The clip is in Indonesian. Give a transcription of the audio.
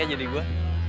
enak ya jadi gue